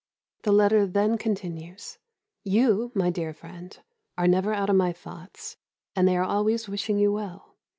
The letter then continues: "You, my dear friend, are never out of my thoughts, and they are always wishing you well.